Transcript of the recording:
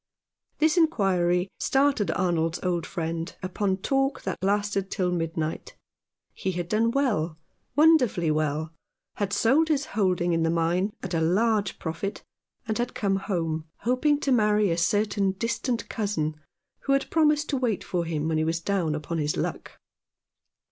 This inquiry started Arnold's old friend upon talk that lasted till midnight. He had done well, wonderfully well — had sold his holding in the mine at a large profit, and had come home, hoping to marry a certain distant cousin, who had promised to wait for him when he was down upon his luck.